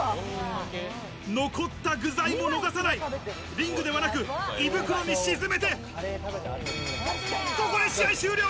残った具材も逃さないリングではなく、胃袋に沈めて、ここで試合終了！